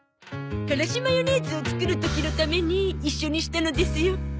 カラシマヨネーズを作る時のために一緒にしたのですよ。